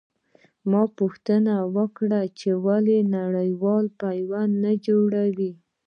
ما پوښتنه وکړه چې ولې نړېوال پیوند نه جوړوي.